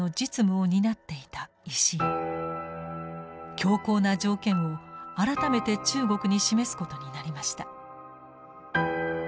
強硬な条件を改めて中国に示すことになりました。